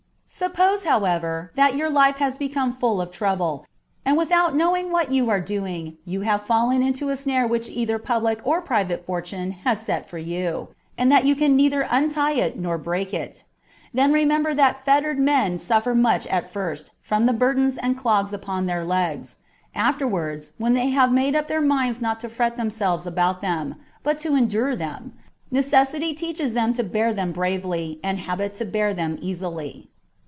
Suppose, however, that your life has become full of trouble, and that without knowing what you were doing you have fallen into some snare which either public or pri vate Fortune has set for you, and that you can neither untie it nor break it : then remember that fettered men suffer much at first from the burdens and clogs upon their legs : afterwards, when they have made up their minds not to fret themselves about them, but to endure them, necessity teaches them to bear them bravely, and habit to bear them easily.